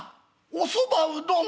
おそばうどん